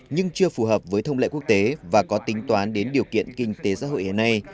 nhưng chưa phù hợp với thông lệ quốc tế và có tính toán đến điều kiện kinh tế xã hội hiện nay